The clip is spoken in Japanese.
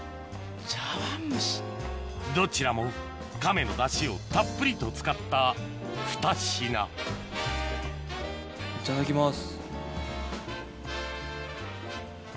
どちらもカメのダシをたっぷりと使った２品いただきます。